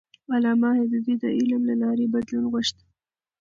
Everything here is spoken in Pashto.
علامه حبيبي د علم له لارې بدلون غوښت.